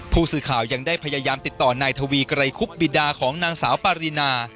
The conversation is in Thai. ผู้สื่อข่าวยังได้พยายามติดต่อนายทวีไกรคุบบิดาของนางสาวปารีนา